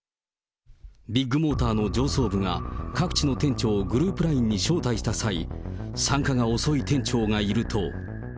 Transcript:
ビッグモーターの上層部が、各地の店長をグループＬＩＮＥに招待した際、参加が遅い店長がいると。